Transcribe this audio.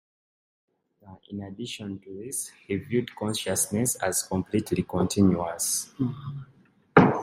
In addition to this, he viewed consciousness as completely continuous.